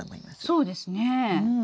そうですね。